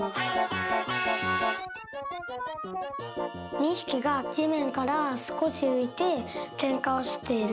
２ひきがじめんからすこしういてけんかをしている。